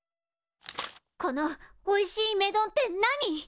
このおいしい目丼って何？